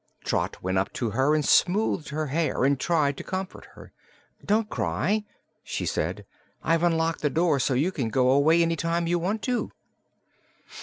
Trot went up to her and smoothed her hair and tried to comfort her. "Don't cry," she said. "I've unlocked the door, so you can go away any time you want to."